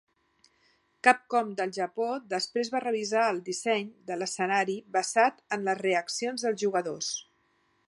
Capcom del Japó després va revisar el disseny de l'escenari basat en les reaccions dels jugadors.